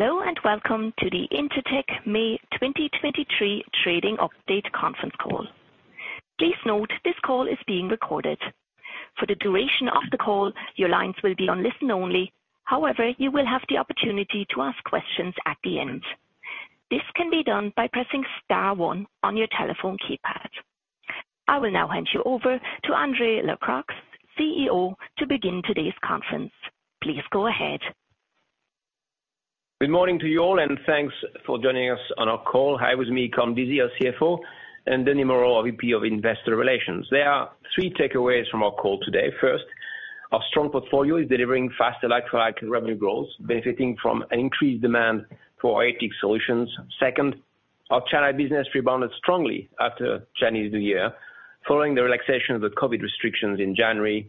Hello, welcome to the Intertek May 2023 trading update conference call. Please note this call is being recorded. For the duration of the call, your lines will be on listen only. However, you will have the opportunity to ask questions at the end. This can be done by pressing star one on your telephone keypad. I will now hand you over to André Lacroix, CEO, to begin today's conference. Please go ahead. Good morning to you all and thanks for joining us on our call. Hi, with me, Colm Deasy, our CFO, and Denis Moreau, our VP of Investor Relations. There are three takeaways from our call today. First, our strong portfolio is delivering faster like-for-like revenue growth, benefiting from an increased demand for our AT solutions. Second, our China business rebounded strongly after Chinese New Year, following the relaxation of the COVID restrictions in January.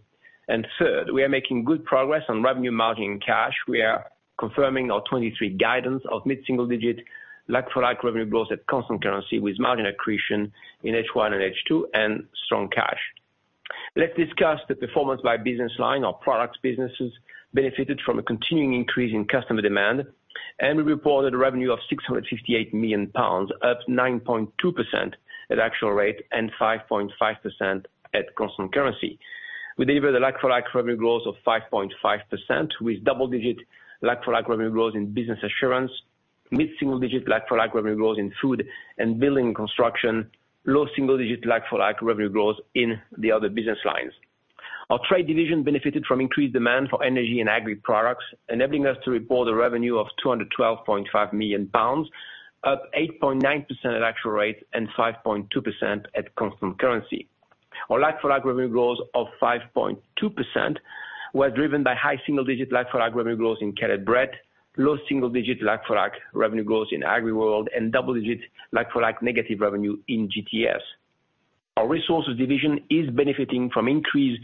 Third, we are making good progress on revenue margin cash. We are confirming our 2023 guidance of mid-single digit like-for-like revenue growth at constant currency, with margin accretion in H1 and H2 and strong cash. Let's discuss the performance by business line. Our products businesses benefited from a continuing increase in customer demand. We reported a revenue of 658 million pounds, up 9.2% at actual rate and 5.5% at constant currency. We delivered a like-for-like revenue growth of 5.5%, with double-digit like-for-like revenue growth in Business Assurance, mid-single digit like-for-like revenue growth in food, and building construction, low single digit like-for-like revenue growth in the other business lines. Our trade division benefited from increased demand for energy and agri products, enabling us to report a revenue of 212.5 million pounds, up 8.9% at actual rate and 5.2% at constant currency. Our like-for-like revenue growth of 5.2% was driven by high single digit like-for-like revenue growth in Caleb Brett, low single digit like-for-like revenue growth in AgriWorld, and double-digit like-for-like negative revenue in GTS. Our resources division is benefiting from increased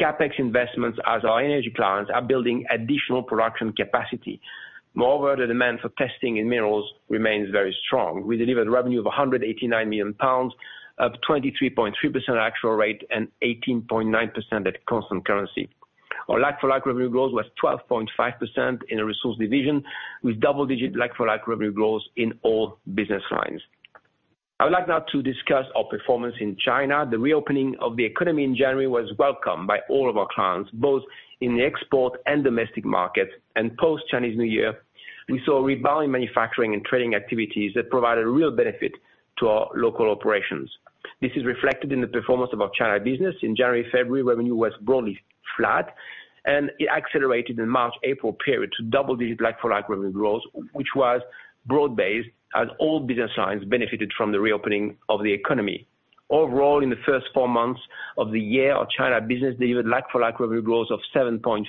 CapEx investments as our energy clients are building additional production capacity. The demand for testing in minerals remains very strong. We delivered revenue of 189 million pounds, up 23.3% actual rate and 18.9% at constant currency. Our like-for-like revenue growth was 12.5% in the resource division, with double-digit like-for-like revenue growth in all business lines. I would like now to discuss our performance in China. The reopening of the economy in January was welcomed by all of our clients, both in the export and domestic markets, and post-Chinese New Year, we saw a rebound in manufacturing and trading activities that provided real benefit to our local operations. This is reflected in the performance of our China business. In January, February, revenue was broadly flat, and it accelerated in March, April period to double-digit like-for-like revenue growth, which was broad-based as all business lines benefited from the reopening of the economy. Overall, in the first four months of the year, our China business delivered like-for-like revenue growth of 7.5%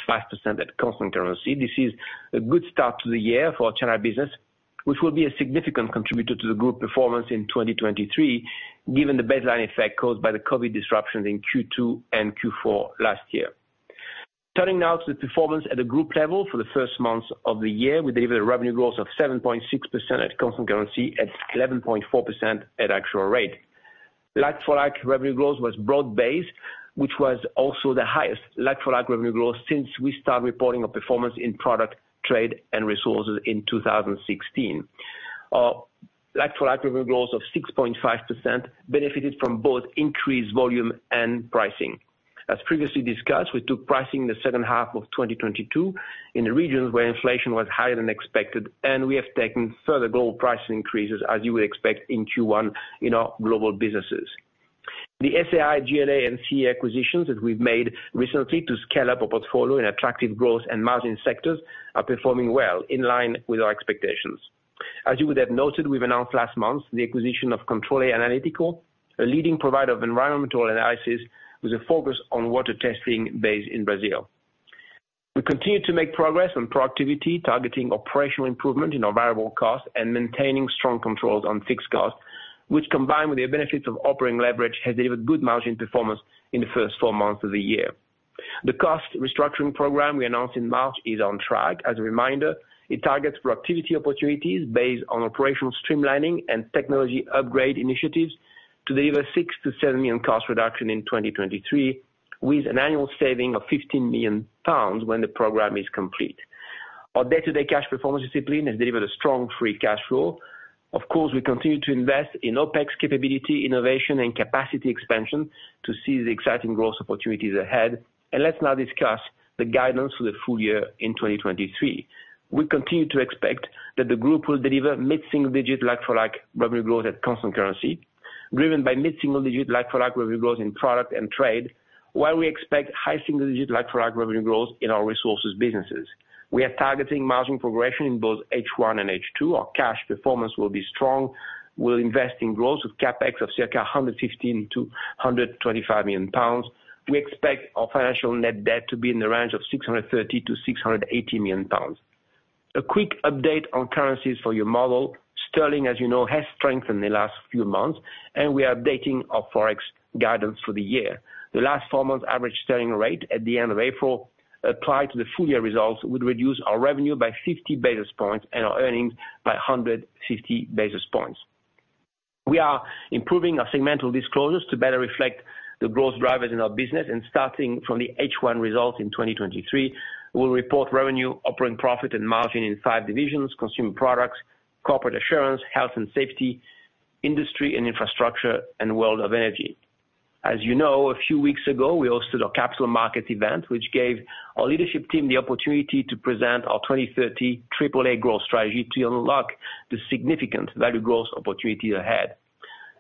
at constant currency. This is a good start to the year for our China business, which will be a significant contributor to the group performance in 2023, given the baseline effect caused by the COVID disruptions in Q2 and Q4 last year. Turning now to the performance at the group level. For the first months of the year, we delivered revenue growth of 7.6% at constant currency, at 11.4% at actual rate. Like-for-like revenue growth was broad-based, which was also the highest like-for-like revenue growth since we started reporting our performance in product, trade, and resources in 2016. Like-for-like revenue growth of 6.5% benefited from both increased volume and pricing. As previously discussed, we took pricing in the second half of 2022 in the regions where inflation was higher than expected, and we have taken further global price increases, as you would expect in Q1 in our global businesses. The SAI, GLA, and SEA acquisitions that we've made recently to scale up our portfolio in attractive growth and margin sectors are performing well, in line with our expectations. As you would have noted, we've announced last month the acquisition of Controle Analítico, a leading provider of environmental analysis with a focus on water testing based in Brazil. We continue to make progress on productivity, targeting operational improvement in our variable costs and maintaining strong controls on fixed costs, which combined with the benefits of operating leverage, has delivered good margin performance in the first four months of the year. The cost restructuring program we announced in March is on track. As a reminder, it targets productivity opportunities based on operational streamlining and technology upgrade initiatives to deliver 6 million-7 million cost reduction in 2023, with an annual saving of 15 million pounds when the program is complete. Our day-to-day cash performance discipline has delivered a strong free cash flow. Of course, we continue to invest in OPEX capability, innovation, and capacity expansion to seize the exciting growth opportunities ahead. Let's now discuss the guidance for the full year in 2023. We continue to expect that the group will deliver mid-single digit like-for-like revenue growth at constant currency, driven by mid-single digit like-for-like revenue growth in product and trade, while we expect high single digit like-for-like revenue growth in our resources businesses. We are targeting margin progression in both H1 and H2. Our cash performance will be strong. We'll invest in growth with CapEx of circa 115 million-125 million pounds. We expect our financial net debt to be in the range of 630 million-680 million pounds. A quick update on currencies for your model. Sterling, as you know, has strengthened in the last few months, and we are updating our Forex guidance for the year. The last four months average sterling rate at the end of April applied to the full year results would reduce our revenue by 50 basis points and our earnings by 150 basis points. We are improving our segmental disclosures to better reflect the growth drivers in our business. Starting from the H1 results in 2023, we'll report revenue, operating profit and margin in 5 divisions, Consumer Products, Corporate Assurance, Health and Safety, Industry and Infrastructure, and World of Energy. As you know, a few weeks ago, we hosted a capital markets event, which gave our leadership team the opportunity to present our 2030 AAA growth strategy to unlock the significant value growth opportunities ahead.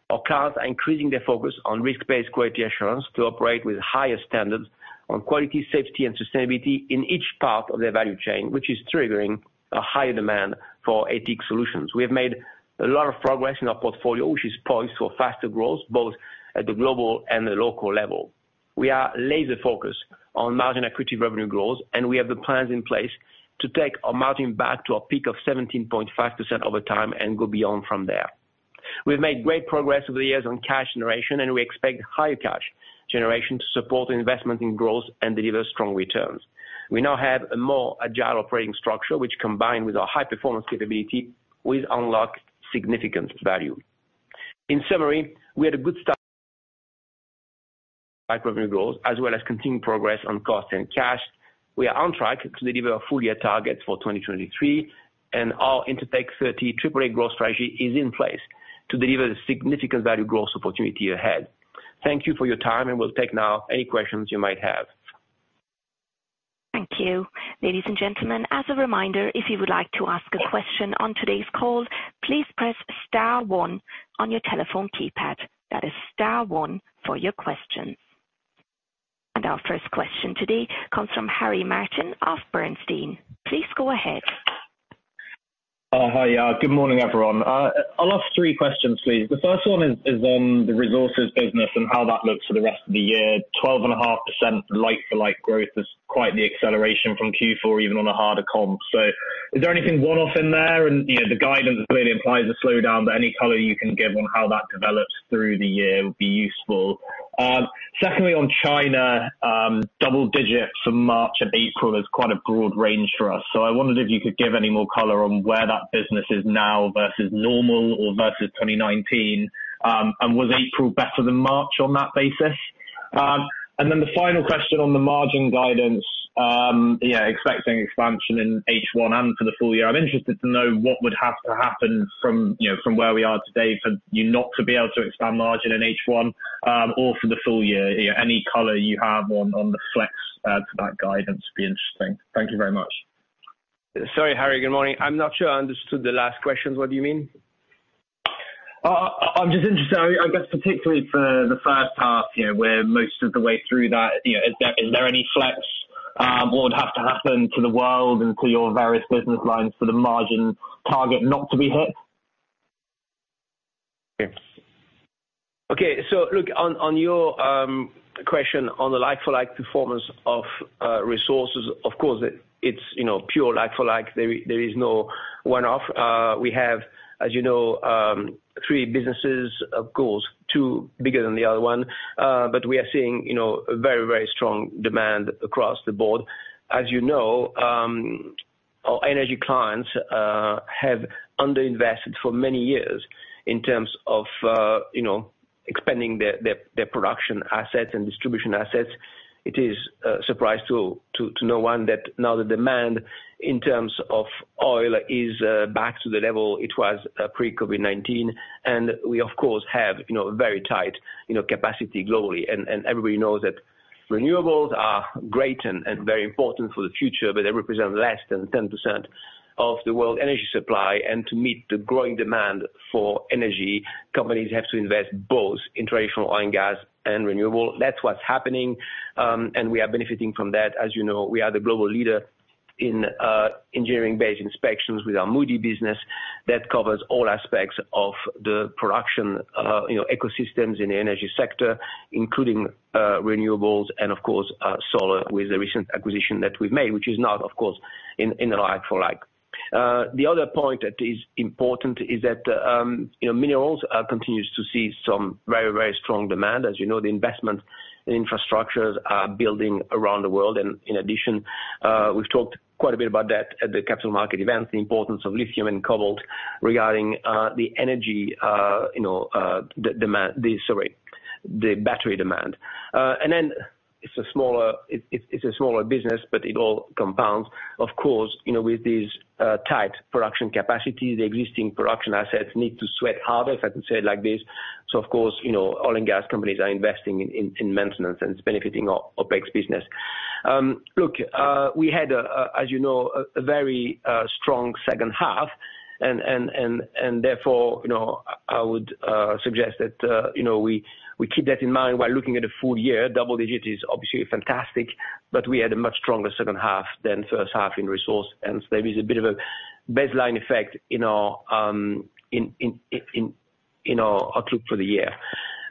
Our clients are increasing their focus on risk-based quality assurance to operate with higher standards on quality, safety and sustainability in each part of their value chain, which is triggering a higher demand for ATIC Solutions. We have made a lot of progress in our portfolio, which is poised for faster growth, both at the global and the local level. We are laser-focused on margin accretive revenue growth, and we have the plans in place to take our margin back to a peak of 17.5% over time and go beyond from there. We've made great progress over the years on cash generation, and we expect higher cash generation to support investment in growth and deliver strong returns. We now have a more agile operating structure which combined with our high-performance capability will unlock significant value. In summary, we had a good start. By revenue growth as well as continued progress on cost and cash. We are on track to deliver our full year targets for 2023. Our Intertek 30 AAA growth strategy is in place to deliver the significant value growth opportunity ahead. Thank you for your time. We'll take now any questions you might have. Thank you. Ladies and gentlemen, as a reminder, if you would like to ask a question on today's call, please press star one on your telephone keypad. That is star one for your questions. Our first question today comes from Harry Martin of Bernstein. Please go ahead. Hi. Good morning, everyone. I'll ask 3 questions, please. The first one is on the resources business and how that looks for the rest of the year. 12.5% like-for-like growth is quite the acceleration from Q4, even on a harder comp. Is there anything one-off in there? The guidance really implies a slowdown. Any color you can give on how that develops through the year would be useful. Secondly, on China, double digits for March and April is quite a broad range for us. I wondered if you could give any more color on where that business is now versus normal or versus 2019. Was April better than March on that basis? The final question on the margin guidance, expecting expansion in H1 and for the full year. I'm interested to know what would have to happen from, you know, from where we are today for you not to be able to expand margin in H1 or for the full year. Any color you have on the flex to that guidance would be interesting. Thank you very much. Sorry, Harry. Good morning. I'm not sure I understood the last question. What do you mean? I'm just interested, I guess, particularly for the first half, you know, we're most of the way through that, you know, is there any flex, what would have to happen to the world and to your various business lines for the margin target not to be hit? Okay. Look, on your question on the like-for-like performance of resources, of course it's, you know, pure like-for-like. There is no one-off. We have, as you know, three businesses, of course, two bigger than the other one. We are seeing, you know, a very, very strong demand across the board. As you know, our energy clients have underinvested for many years in terms of, you know, expanding their production assets and distribution assets. It is a surprise to no one that now the demand in terms of oil is back to the level it was pre COVID-19. We of course have, you know, very tight, you know, capacity globally. Everybody knows that renewables are great and very important for the future, but they represent less than 10% of the world energy supply. To meet the growing demand for energy, companies have to invest both in traditional oil and gas and renewable. That's what's happening, we are benefiting from that. As you know, we are the global leader in engineering-based inspections with our Moody International business that covers all aspects of the production, you know, ecosystems in the energy sector, including renewables and of course, solar with the recent acquisition that we've made, which is not of course in like-for-like. The other point that is important is that, you know, minerals continues to see some very strong demand. As you know, the investment in infrastructures are building around the world. In addition, we've talked quite a bit about that at the capital market event, the importance of lithium and cobalt regarding the energy, you know, the battery demand. Then it's a smaller, it's a smaller business, but it all compounds. Of course, you know, with these tight production capacity, the existing production assets need to sweat harder, if I can say it like this. Of course, you know, oil and gas companies are investing in maintenance and it's benefiting our OPEX business. Look, we had, as you know, a very strong second half and therefore, you know, I would suggest that, you know, we keep that in mind while looking at the full year. Double-digit is obviously fantastic. We had a much stronger second half than first half in resource. There is a bit of a baseline effect in our outlook for the year.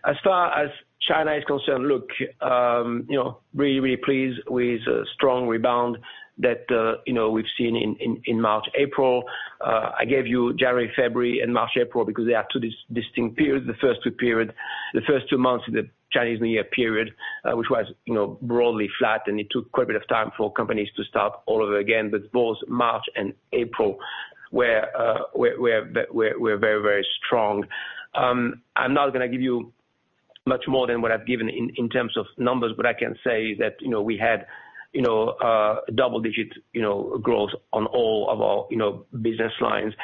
As far as China is concerned, look, you know, really, really pleased with the strong rebound that, you know, we've seen in March, April. I gave you January, February and March, April because they are two distinct periods. The first two months of the Chinese New Year period, which was, you know, broadly flat and it took quite a bit of time for companies to start all over again. Both March and April were very, very strong. I'm not gonna give you much more than what I've given in terms of numbers, but I can say that, you know, we had, you know, double digits, you know, growth on all of our, you know, business lines.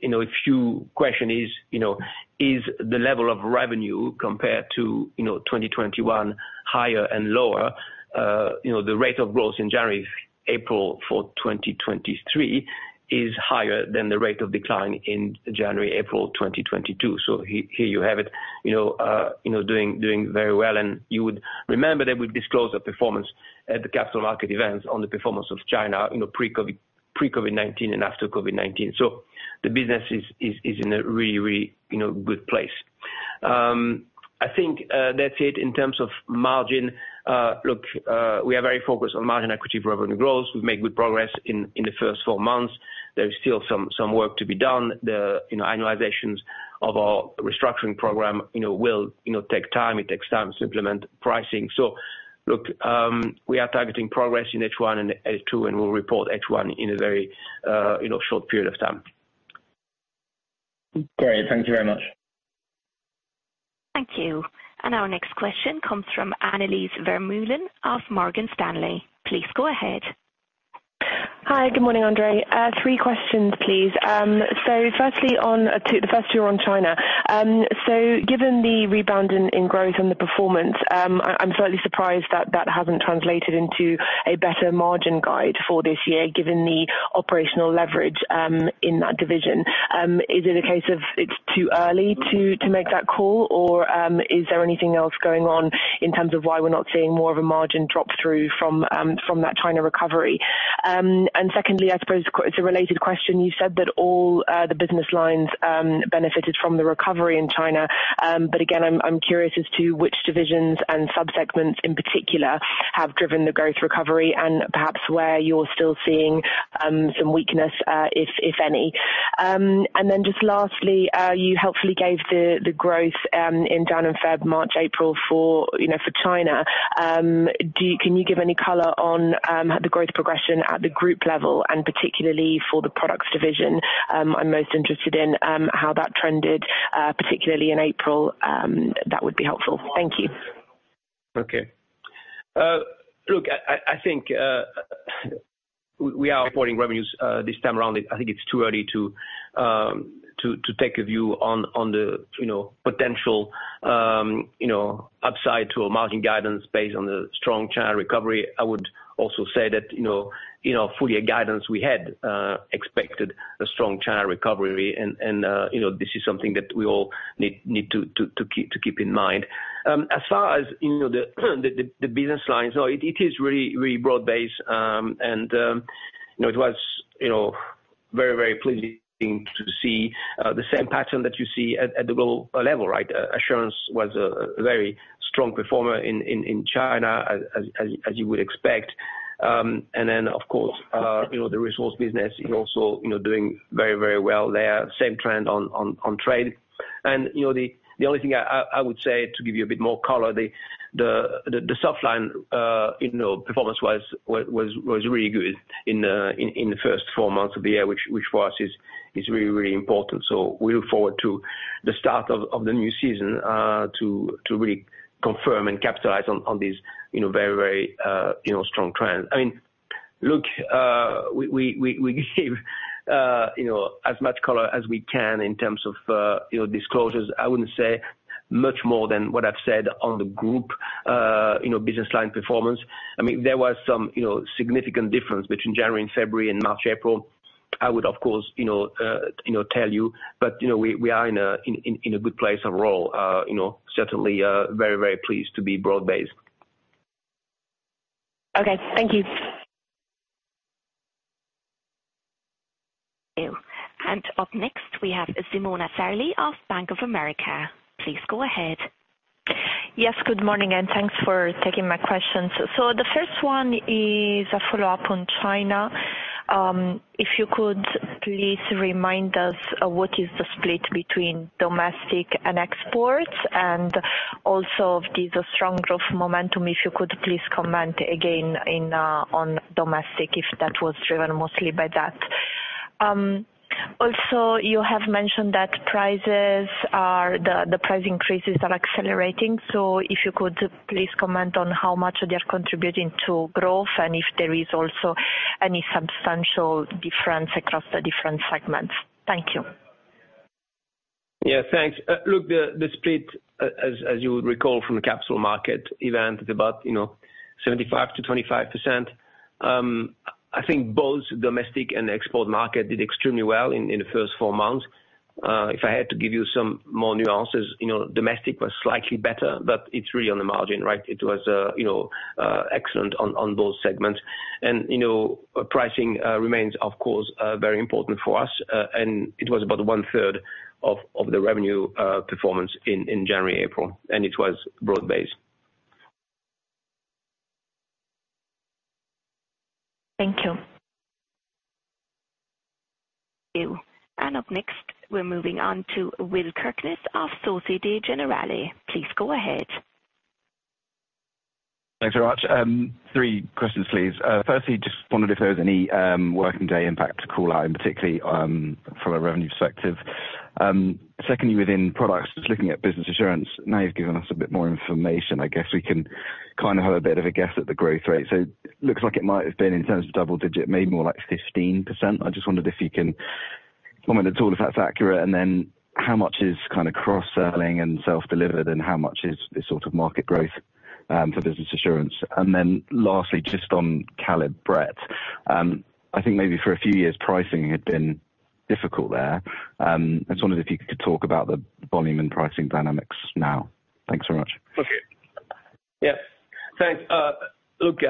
If your question is, you know, is the level of revenue compared to, you know, 2021 higher and lower, you know, the rate of growth in January, April for 2023 is higher than the rate of decline in January, April 2022. Here you have it, you know, doing very well. You would remember that we disclosed the performance at the capital market events on the performance of China, you know, pre-COVID, pre-COVID-19, and after COVID-19. The business is in a really, you know, good place. I think, that's it in terms of margin. Look, we are very focused on margin equity revenue growth. We've made good progress in the first four months. There is still some work to be done. The, you know, annualizations of our restructuring program, you know, will, you know, take time. It takes time to implement pricing. Look, we are targeting progress in H1 and H2, and we'll report H1 in a very, you know, short period of time. Great, thank you very much. Thank you. Our next question comes from European Business Services Stanley. Please go ahead. Hi. Good morning, André Lacroix. Three questions, please. Firstly on the first two are on China. Given the rebound in growth and the performance, I'm slightly surprised that that hasn't translated into a better margin guide for this year, given the operational leverage in that division. Is it a case of it's too early to make that call? Or is there anything else going on in terms of why we're not seeing more of a margin drop through from that China recovery? Secondly, I suppose it's a related question. You said that all the business lines benefited from the recovery in China. Again, I'm curious as to which divisions and sub-segments in particular have driven the growth recovery and perhaps where you're still seeing some weakness, if any. Just lastly, you helpfully gave the growth in January and February, March, April for, you know, for China. Can you give any color on the growth progression at the group level and particularly for the Products division? I'm most interested in how that trended particularly in April. That would be helpful. Thank you. Okay, look, I think we are reporting revenues this time around. I think it's too early to take a view on the, you know, potential, you know, upside to a margin guidance based on the strong China recovery. I would also say that, you know, fully, a guidance we had expected a strong China recovery. This is something that we all need to keep in mind. As far as, you know, the business lines, so it is really broad-based. You know, it was, you know, very pleasing to see the same pattern that you see at the global level, right. Assurance was a very strong performer in China, as you would expect. You know, the resource business is also, you know, doing very well there. Same trend on trade. You know, the only thing I would say to give you a bit more color, the Softlines, you know, performance was really good in the first four months of the year which for us is really important. We look forward to the start of the new season to really confirm and capitalize on this, you know, very, you know, strong trend. I mean, look, we give, you know, as much color as we can in terms of, you know, disclosures. I wouldn't say much more than what I've said on the group, you know, business line performance. I mean, there was some, you know, significant difference between January and February and March, April. I would of course, you know, tell you, but, you know, we are in a good place overall. You know, certainly, very, very pleased to be broad-based. Okay. Thank you. Thank you. Up next, we have Simona Sarli of Bank of America. Please go ahead. Yes, good morning, and thanks for taking my questions. The first one is a follow-up on China. If you could please remind us what is the split between domestic and exports, and also if there's a strong growth momentum, if you could please comment again in on domestic, if that was driven mostly by that? Also, you have mentioned that the price increases are accelerating, so if you could, please comment on how much they're contributing to growth and if there is also any substantial difference across the different segments? Thank you. Thanks. Look, the split, as you would recall from the capital market event, is about, you know, 75%-25%. I think both domestic and export market did extremely well in the first 4 months. If I had to give you some more nuances, you know, domestic was slightly better, but it's really on the margin, right? It was, you know, excellent on both segments. You know, pricing remains of course very important for us. It was about 1/3 of the revenue performance in January, April, and it was broad-based. Thank you. Thank you. Up next, we're moving on to Will Kirkness of Societe Generale. Please go ahead. Thanks very much. three questions please. firstly, just wondered if there was any working day impact to call out, and particularly from a revenue perspective. secondly, within products, just looking at Business Assurance. Now you've given us a bit more information, I guess we can kind of have a bit of a guess at the growth rate. Looks like it might have been in terms of double-digit, maybe more like 15%. I just wondered if you can comment at all if that's accurate, and then how much is kind of cross-selling and self-delivered, and how much is sort of market growth for Business Assurance. Lastly, just on Caleb Brett, I think maybe for a few years pricing had been difficult there. I just wondered if you could talk about the volume and pricing dynamics now. Thanks so much. Okay. Yeah. Thanks. Look,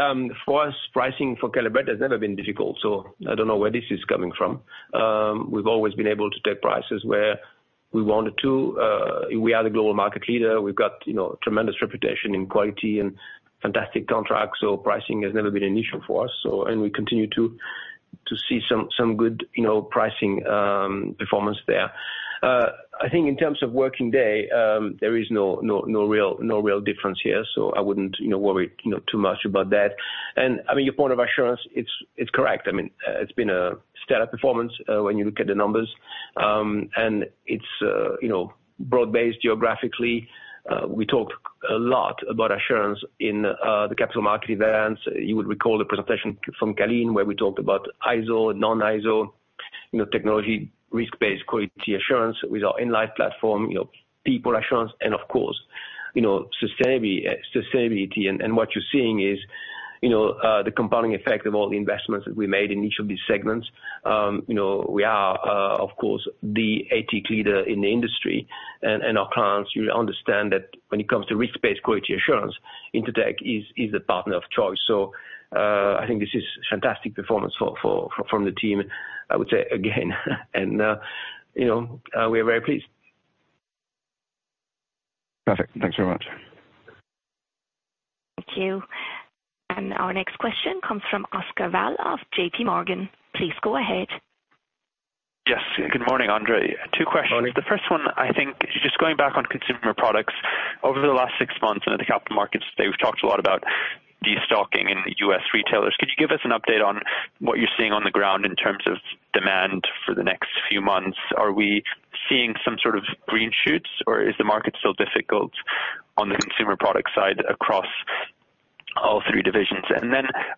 for us, pricing for Caleb Brett has never been difficult. I don't know where this is coming from. We've always been able to take prices where we wanted to. We are the global market leader. We've got, you know, tremendous reputation in quality and fantastic contracts. Pricing has never been an issue for us. We continue to see some good, you know, pricing performance there. I think in terms of working day, there is no real difference here. I wouldn't, you know, worry, you know, too much about that. I mean, your point of assurance, it's correct. I mean, it's been a stellar performance when you look at the numbers. It's, you know, broad-based geographically. We talk a lot about assurance in the capital market events. You would recall the presentation from Colleen, where we talked about ISO, non-ISO, you know, technology risk-based quality assurance with our Inlight platform, you know, people assurance, and of course, you know, sustainability. What you're seeing is, you know, the compounding effect of all the investments that we made in each of these segments. You know, we are, of course, the ATIC leader in the industry. Our clients really understand that when it comes to risk-based quality assurance, Intertek is the partner of choice. I think this is fantastic performance for from the team, I would say again. You know, we are very pleased. Perfect. Thanks very much. Thank you. Our next question comes from Oscar Val of J.P. Morgan. Please go ahead. Yes. Good morning, André. Two questions. Morning. The first one, I think, just going back on Consumer Products. Over the last six months, and at the capital markets today, we've talked a lot about destocking in the U.S. retailers. Could you give us an update on what you're seeing on the ground in terms of demand for the next few months? Are we seeing some sort of green shoots, or is the market still difficult on the Consumer Product side across all three divisions?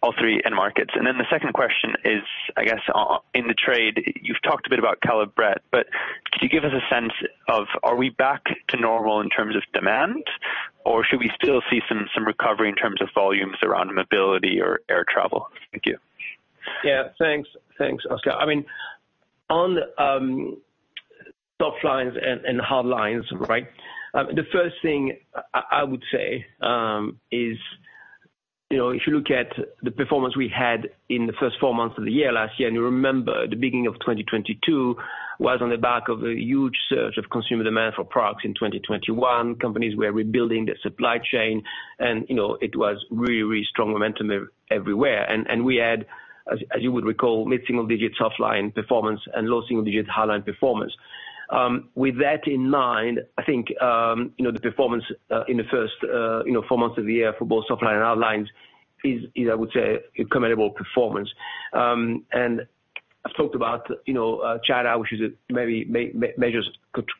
All three end markets. The second question is, I guess, on, in the trade, you've talked a bit about Caleb Brett, but could you give us a sense of are we back to normal in terms of demand, or should we still see some recovery in terms of volumes around mobility or air travel? Thank you. Yeah, thanks. Thanks, Oscar. I mean, on Softlines and hard lines, right? The first thing I would say is, you know, if you look at the performance we had in the first four months of the year last year, you remember the beginning of 2022 was on the back of a huge surge of consumer demand for products in 2021. Companies were rebuilding their supply chain, you know, it was really strong momentum everywhere. We had, as you would recall, mid-single digit Softlines performance and low single digit hard line performance. With that in mind, I think, you know, the performance in the first, you know, four months of the year for both Softlines and hard lines is I would say a commendable performance. I've talked about, you know, China, which is a very major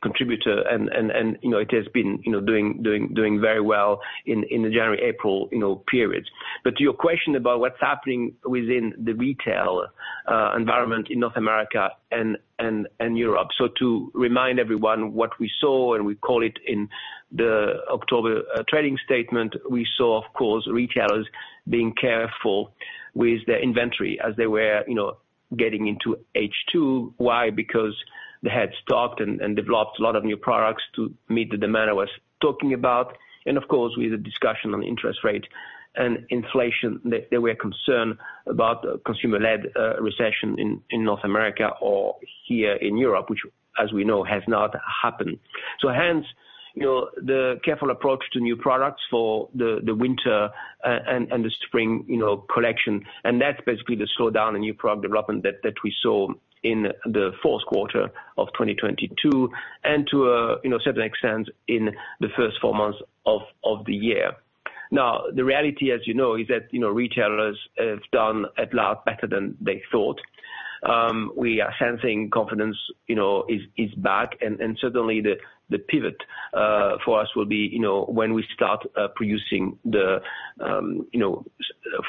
contributor and, you know, it has been, you know, doing very well in the January, April periods. To your question about what's happening within the retail environment in North America and Europe. To remind everyone what we saw, and we call it in the October trading statement. We saw, of course, retailers being careful with their inventory as they were, you know, getting into H2. Why? Because they had stocked and developed a lot of new products to meet the demand I was talking about. Of course, with the discussion on interest rate and inflation, they were concerned about consumer-led recession in North America or here in Europe, which as we know, has not happened. Hence, you know, the careful approach to new products for the winter and the spring, you know, collection, and that's basically the slowdown in new product development that we saw in the fourth quarter of 2022, and to a, you know, certain extent in the first 4 months of the year. The reality as you know, is that, you know, retailers have done at large better than they thought. We are sensing confidence, you know, is back and certainly the pivot for us will be, you know, when we start producing the, you know,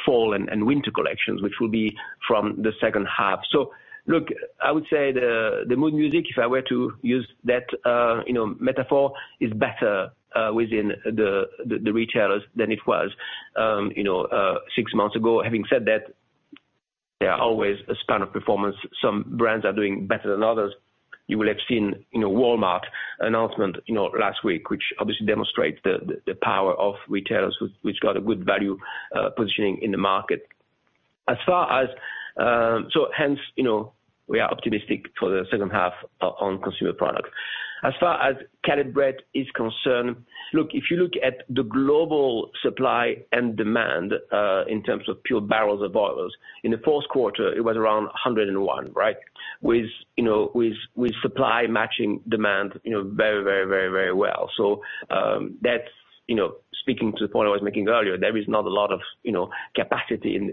fall and winter collections, which will be from the second half. Look, I would say the mood music, if I were to use that, you know, metaphor is better, within the, the retailers than it was, you know, six months ago. Having said that, there are always a span of performance. Some brands are doing better than others. You will have seen, you know, Walmart announcement, you know, last week, which obviously demonstrates the, the power of retailers with, which got a good value, positioning in the market. As far as. Hence, you know, we are optimistic for the second half on Consumer Products. As far as Caleb Brett is concerned, look, if you look at the global supply and demand, in terms of pure barrels of oils, in the fourth quarter, it was around 101, right. With, you know, with supply matching demand, you know, very, very, very, very well. That's, you know, speaking to the point I was making earlier, there is not a lot of, you know, capacity in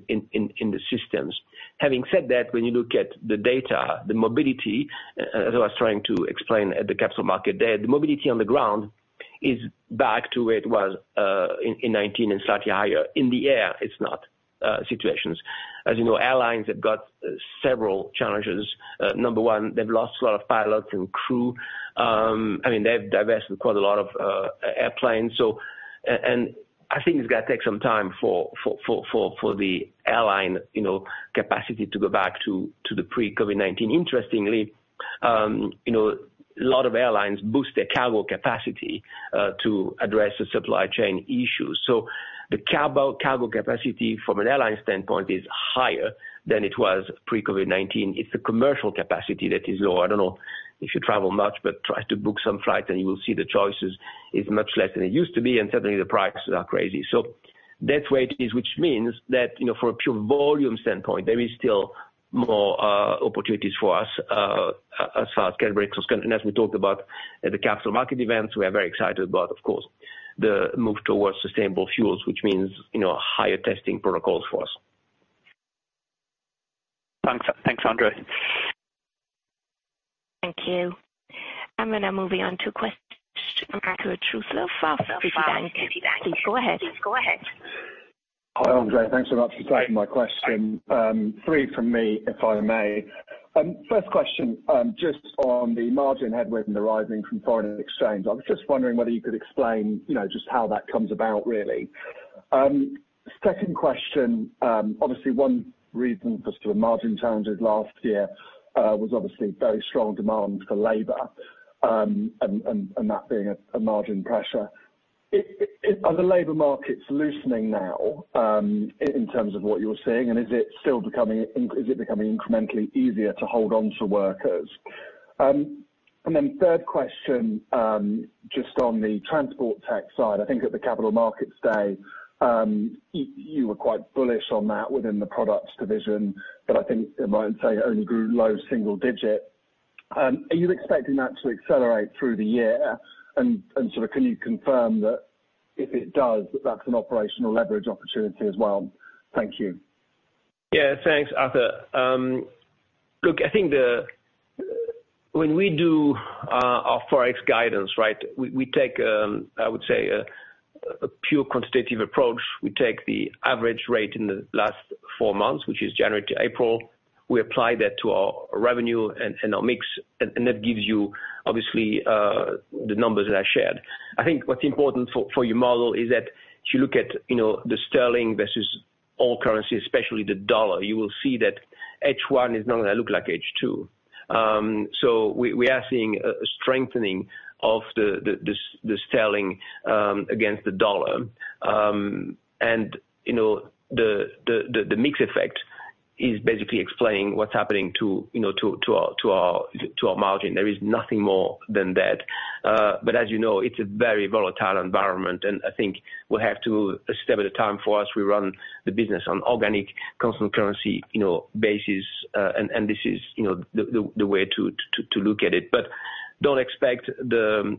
the systems. Having said that, when you look at the data, the mobility, as I was trying to explain at the capital market day, the mobility on the ground is back to where it was, in 2019 and slightly higher. In the air, it's not situations. As you know, airlines have got several challenges. Number one, they've lost a lot of pilots and crew. I mean, they've divested quite a lot of airplanes. I think it's gonna take some time for the airline, you know, capacity to go back to the pre-COVID-19. Interestingly, you know, a lot of airlines boost their cargo capacity to address the supply chain issues. The cargo capacity from an airline standpoint is higher than it was pre-COVID-19. It's the commercial capacity that is low. I don't know if you travel much, but try to book some flights and you will see the choices is much less than it used to be, and certainly the prices are crazy. That's where it is, which means that, you know, for a pure volume standpoint, there is still more opportunities for us as far as category. As we talked about at the capital market events, we are very excited about of course, the move towards sustainable fuels, which means, you know, higher testing protocols for us. Thanks. Thanks, André. Thank you. I'm gonna move on to a question from Arthur Truslove, Citibank. Please go ahead. Hi, André. Thanks so much for taking my question. Three from me, if I may. First question, just on the margin headwind arriving from foreign exchange. I was just wondering whether you could explain, you know, just how that comes about really. Second question, obviously one reason for sort of margin challenges last year, was obviously very strong demand for labor, and that being a margin pressure. Are the labor markets loosening now, in terms of what you're seeing, and is it still becoming incrementally easier to hold on to workers? Then third question, just on the transport tech side. I think at the Capital Markets Day, you were quite bullish on that within the Consumer Products division, I think you might say it only grew low single-digit. Are you expecting that to accelerate through the year? Sort of can you confirm that if it does, that that's an operational leverage opportunity as well? Thank you. Yeah. Thanks, Arthur. Look, I think when we do our Forex guidance, right? We take, I would say, a pure quantitative approach. We take the average rate in the last 4 months, which is January to April. We apply that to our revenue and our mix, and that gives you, obviously, the numbers that I shared. I think what's important for your model is that if you look at, you know, the sterling versus all currency, especially the dollar, you will see that H1 is not going to look like H2. We are seeing a strengthening of the sterling against the dollar. You know, the mix effect is basically explaining what's happening to, you know, our margin. There is nothing more than that. As you know, it's a very volatile environment, and I think we have to a step at a time. For us, we run the business on organic constant currency basis. This is the way to look at it. Don't expect the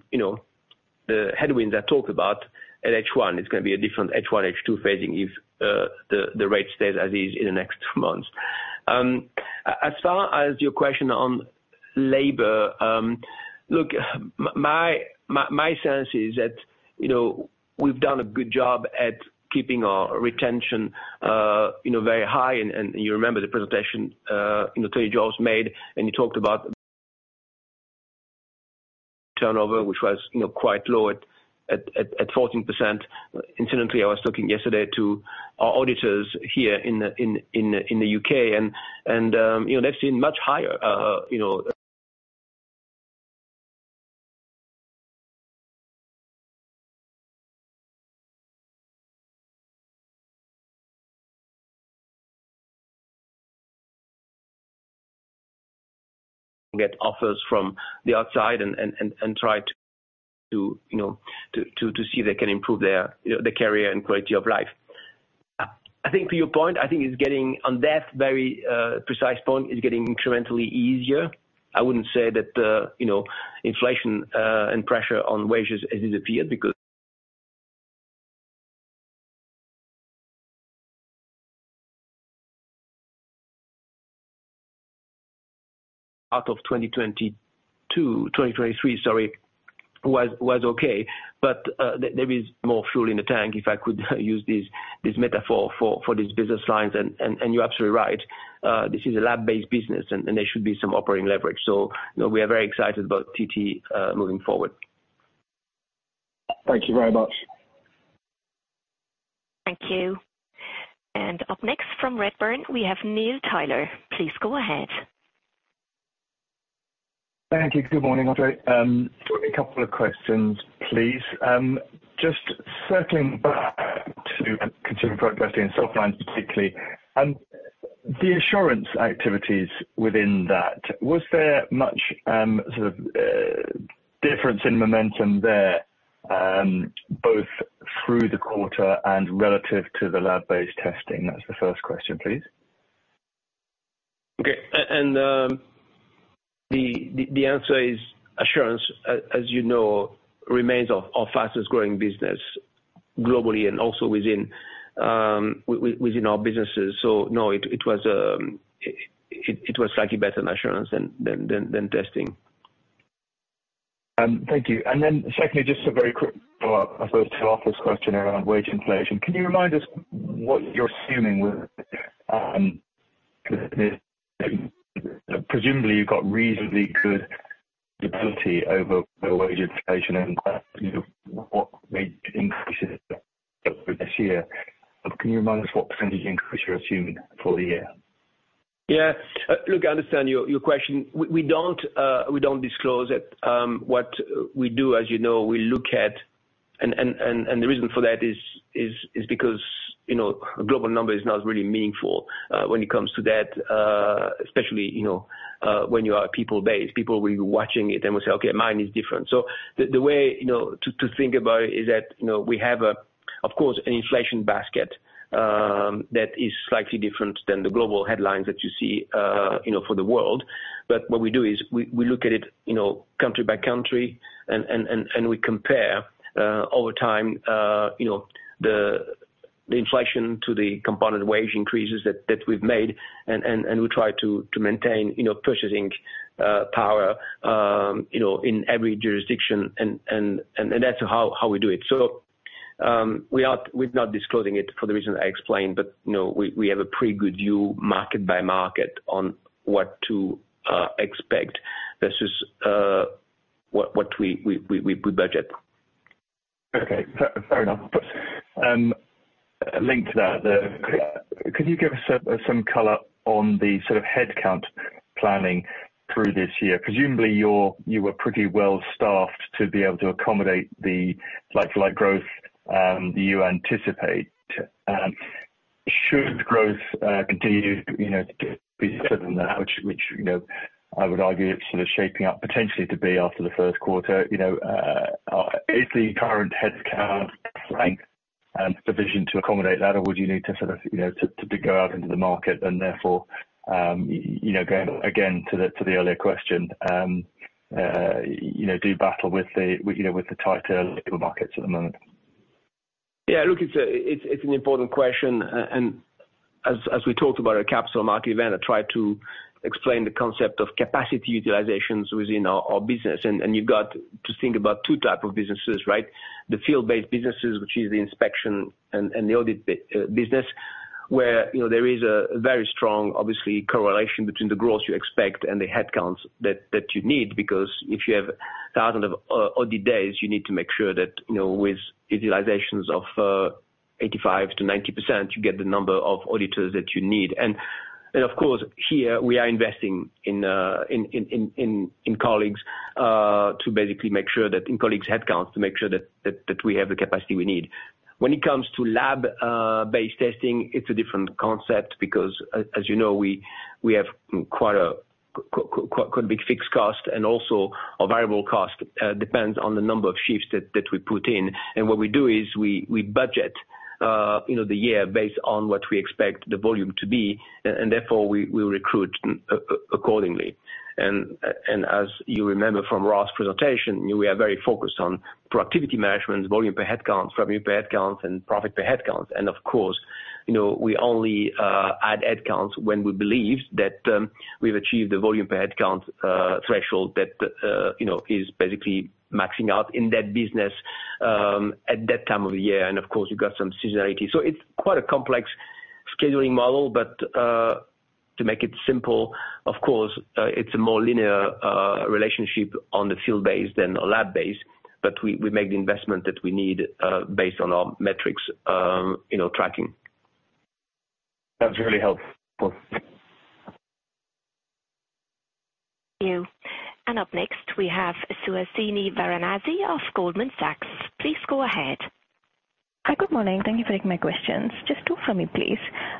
headwind I talk about at H1. It's gonna be a different H1, H2 phasing if the rate stays as is in the next months. As far as your question on labor, look, my sense is that we've done a good job at keeping our retention very high. You remember the presentation Tony George made, and he talked about turnover, which was quite low at 14%. Incidentally, I was talking yesterday to our auditors here in the UK, and, you know, they've seen much higher, you know, Get offers from the outside and try to, you know, to see if they can improve their, you know, their career and quality of life. I think to your point, I think it's getting on that very precise point. It's getting incrementally easier. I wouldn't say that, you know, inflation and pressure on wages has disappeared because out of 2022, 2023, sorry, was okay. There is more fuel in the tank, if I could use this metaphor for these business lines. You're absolutely right. This is a lab-based business and there should be some operating leverage. You know, we are very excited about TT moving forward. Thank you very much. Thank you. Up next from Redburn, we have Neil Tyler. Please go ahead. Thank you. Good morning, André. Just a couple of questions, please. Just circling back to consumer product testing and Softlines particularly, the assurance activities within that, was there much sort of Difference in momentum there, both through the quarter and relative to the lab-based testing? That's the first question, please. Okay. The answer is Assurance, as you know, remains our fastest growing business globally and also within our businesses. No, it was slightly better in Assurance than testing. Thank you. Secondly, just a very quick follow-up, I suppose, to Arthur's question around wage inflation. Can you remind us what you're assuming with, presumably you've got reasonably good visibility over wage inflation and, you know, what wage increases over this year? Can you remind us what % increase you're assuming for the year? Yeah. Look, I understand your question. We don't, we don't disclose it. What we do as you know, we look at... The reason for that is because, you know, a global number is not really meaningful, when it comes to that, especially, you know, when you are people-based. People will be watching it and will say, "Okay, mine is different." The way, you know, to think about it is that, you know, we have, of course, an inflation basket, that is slightly different than the global headlines that you see, you know, for the world. What we do is we look at it, you know, country by country and we compare over time, you know, the inflation to the component wage increases that we've made and we try to maintain, you know, purchasing power, you know, in every jurisdiction and that's how we do it. We're not disclosing it for the reason I explained, but, you know, we have a pretty good view market by market on what to expect versus what we budget. Okay. Fair enough. Linked to that, could you give us some color on the sort of headcount planning through this year? Presumably you were pretty well staffed to be able to accommodate the like-for-like growth you anticipate. Should growth, you know, continue to get bigger than that, you know, I would argue it's sort of shaping up potentially to be after the first quarter, you know, is the current headcount frank provision to accommodate that? Or would you need to sort of, you know, go out into the market and therefore, you know, going again to the earlier question, do battle with the tighter labor markets at the moment? Yeah. Look, it's a, it's an important question. As we talked about at Capital Market event, I tried to explain the concept of capacity utilizations within our business. You've got to think about two type of businesses, right? The field-based businesses, which is the inspection and the audit business, where, you know, there is a very strong, obviously correlation between the growth you expect and the headcounts that you need, because if you have thousands of audit days, you need to make sure that, you know, with utilizations of 85%-90%, you get the number of auditors that you need. Of course, here we are investing in colleagues, to basically make sure that in colleagues' headcounts to make sure that we have the capacity we need. When it comes to lab based testing, it's a different concept because as you know, we have quite a big fixed cost and also our variable cost depends on the number of shifts that we put in. What we do is we budget, you know, the year based on what we expect the volume to be, and therefore we recruit accordingly. As you remember from Ross' presentation, you know, we are very focused on productivity management, volume per headcount, revenue per headcount, and profit per headcount. Of course, you know, we only add headcounts when we believe that we've achieved the volume per headcount threshold that you know, is basically maxing out in that business at that time of the year. Of course, you've got some seasonality. It's quite a complex scheduling model. To make it simple, of course, it's a more linear relationship on the field base than a lab base. We make the investment that we need, based on our metrics, you know, tracking. That's really helpful. Thank you. Up next, we have Suhasini Varanasi of Goldman Sachs. Please go ahead. Hi. Good morning. Thank you for taking my questions. Just two for me, please.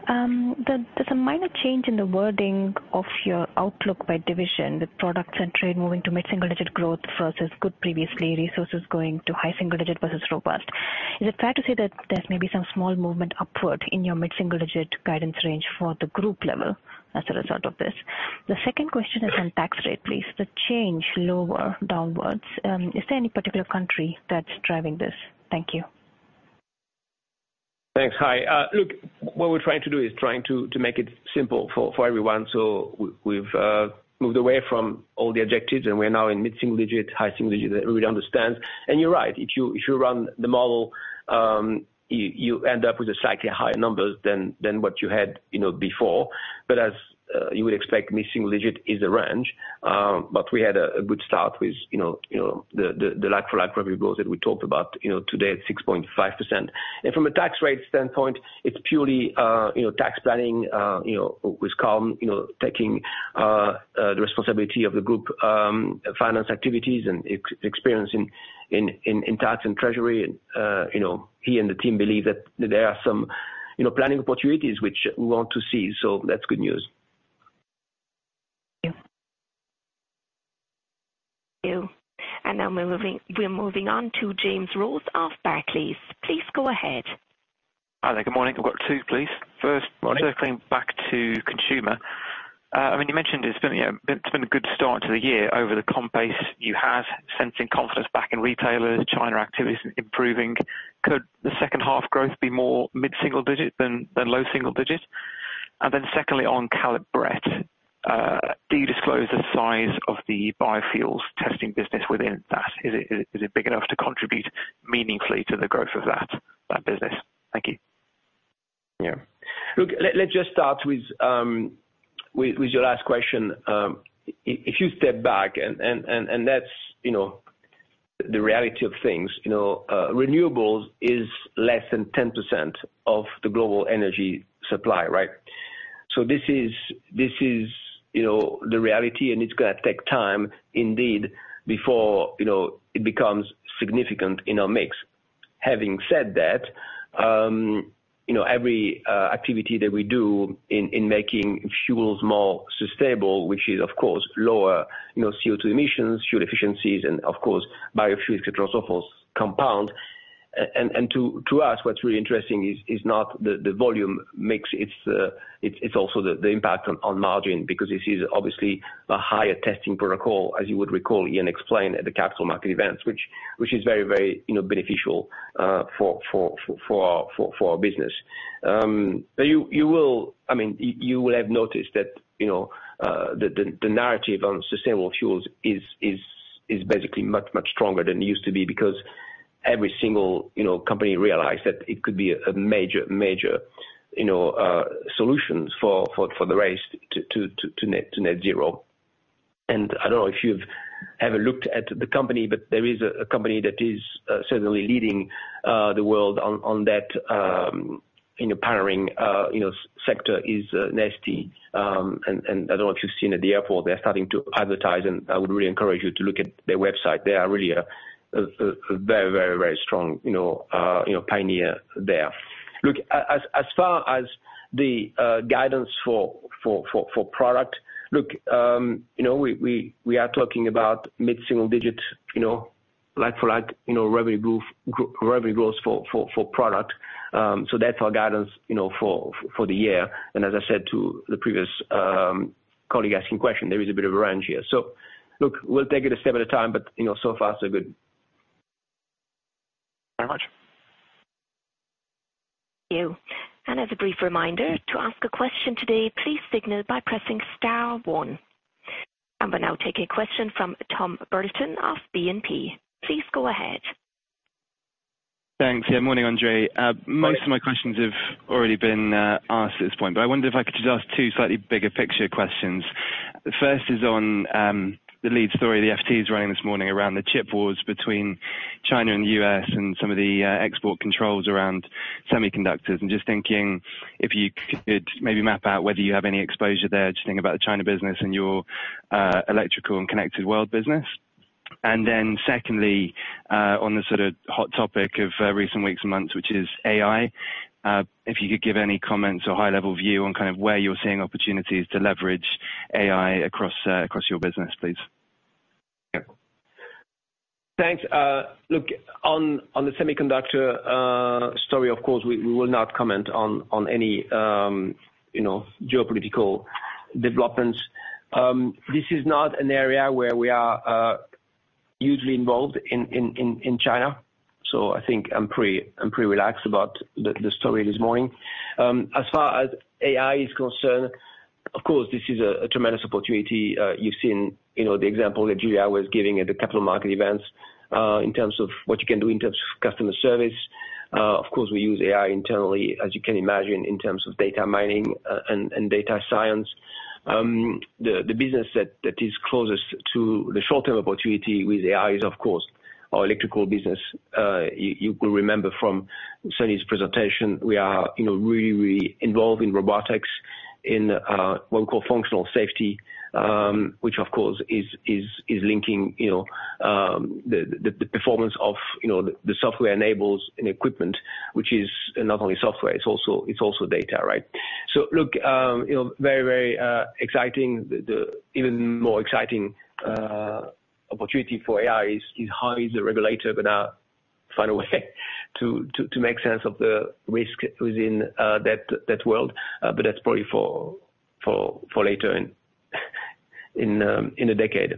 There's a minor change in the wording of your outlook by division, the products and trade moving to mid-single digit growth versus good previously, resources going to high single digit versus robust. Is it fair to say that there may be some small movement upward in your mid-single digit guidance range for the group level as a result of this? The second question is on tax rate, please. The change lower downwards, is there any particular country that's driving this? Thank you. Thanks. Hi. Look, what we're trying to do is trying to make it simple for everyone. We've moved away from all the adjectives, we're now in mid-single digit, high single digit everybody understands. You're right. If you run the model, you end up with a slightly higher numbers than what you had, you know, before. As you would expect, mid-single digit is a range. We had a good start with, you know, you know, the like-for-like revenue growth that we talked about, you know, today at 6.5%. From a tax rate standpoint, it's purely, you know, tax planning, you know, with Colm, you know, taking the responsibility of the group finance activities and experience in tax and treasury. You know, he and the team believe that there are some, you know, planning opportunities which we want to see. That's good news. Thank you. Now we're moving on to James Rowland Clark of Barclays. Please go ahead. Hi there. Good morning. I've got two please. First, circling back to consumer, I mean, you mentioned it's been, you know, it's been a good start to the year over the comp base you have, sensing confidence back in retailers, China activities improving. Could the second half growth be more mid-single digit than low single digit? Secondly, on Caleb Brett, do you disclose the size of the biofuels testing business within that? Is it big enough to contribute meaningfully to the growth of that business? Thank you. Yeah. Look, let's just start with your last question. If you step back and that's, you know, the reality of things, you know, renewables is less than 10% of the global energy supply, right? This is, you know, the reality, and it's gonna take time indeed before, you know, it becomes significant in our mix. Having said that, you know, every activity that we do in making fuels more sustainable, which is of course lower, you know, CO2 emissions, fuel efficiencies, and of course biofuels across all fuels compound. To us, what's really interesting is not the volume mix. It's also the impact on margin because this is obviously a higher testing protocol, as you would recall Ian explained at the capital market events, which is very, you know, beneficial for our business. You will have noticed that, you know, the narrative on sustainable fuels is basically much stronger than it used to be because every single, you know, company realized that it could be a major, you know, solutions for the race to net zero. I don't know if you've ever looked at the company, but there is a company that is certainly leading the world on that, you know, powering, you know, sector, is Neste. I don't know if you've seen at the airport, they're starting to advertise, and I would really encourage you to look at their website. They are really a very strong, you know, pioneer there. Look, as far as the guidance for product. Look, you know, we are talking about mid-single digits, you know, like for like, you know, revenue growth for product. That's our guidance, you know, for the year. As I said to the previous colleague asking question, there is a bit of a range here. Look, we'll take it a step at a time, but, you know, so far, so good. Very much. Thank you. As a brief reminder, to ask a question today, please signal by pressing star 1. We'll now take a question from Thomas Burlton of BNP. Please go ahead. Thanks. Yeah, Morning, André. Morning. Most of my questions have already been asked at this point, I wonder if I could just ask two slightly bigger picture questions. The first is on the lead story the FT is running this morning around the chip wars between China and U.S. and some of the export controls around semiconductors. Just thinking if you could maybe map out whether you have any exposure there. Just thinking about the China business and your electrical and connected world business. Secondly, on the sort of hot topic of recent weeks and months, which is AI, if you could give any comments or high level view on kind of where you're seeing opportunities to leverage AI across your business, please. Yeah. Thanks. Look, on the semiconductor story, of course, we will not comment on any, you know, geopolitical developments. This is not an area where we are hugely involved in China, so I think I'm pretty relaxed about the story this morning. As far as AI is concerned, of course, this is a tremendous opportunity. You've seen, you know, the example that Julia was giving at the capital market events in terms of what you can do in terms of customer service. Of course, we use AI internally, as you can imagine, in terms of data mining and data science. The business that is closest to the short-term opportunity with AI is, of course, our electrical business. You can remember from Sunny's presentation, we are, you know, really involved in robotics in, what we call functional safety, which of course is linking, you know, the performance of, you know, the software enables an equipment, which is not only software, it's also data, right? Look, you know, very exciting. The even more exciting opportunity for AI is how is the regulator gonna find a way to make sense of the risk within that world. That's probably for later in the decade.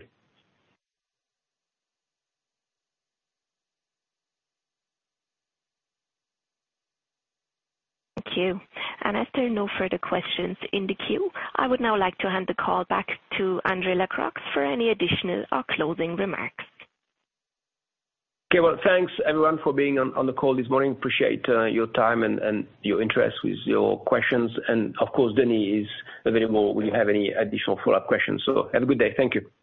Thank you. As there are no further questions in the queue, I would now like to hand the call back to André Lacroix for any additional or closing remarks. Okay. Well, thanks everyone for being on the call this morning. Appreciate your time and your interest with your questions, and of course Denny is available if you have any additional follow-up questions. Have a good day. Thank you.